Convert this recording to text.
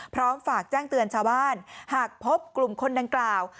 พร้อมฝากแจ้งเตือนชาวบ้านหากพบกลุ่มคนดังกล่าว